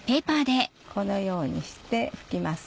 このようにして拭きます。